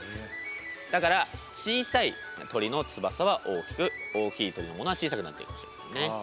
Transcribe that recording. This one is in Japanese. だから小さい鳥の翼は大きく大きい鳥のものは小さくなっているかもしれませんね。